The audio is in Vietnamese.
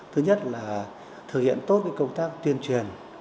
thứ nhất là thực hiện tốt công tác tuyên truyền